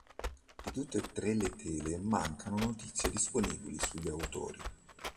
Di tutte e tre le tele mancano notizie disponibili sugli autori.